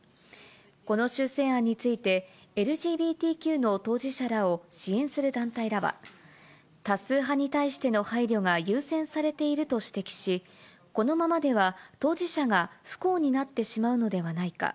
この修正案について、ＬＧＢＴＱの当事者らを支援する団体らは、多数派に対しての配慮が優先されていると指摘し、このままでは当事者が不幸になってしまうのではないか。